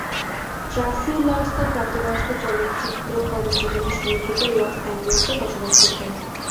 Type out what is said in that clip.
Tracey Lords তার প্রাপ্তবয়স্ক চলচ্চিত্র কর্মজীবনের শুরুর দিকে লস অ্যাঞ্জেলেসে বসবাস করতেন।